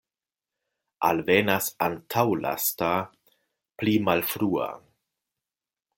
Alvenas antaulasta, pli malfrua.